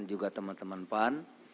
juga teman teman pan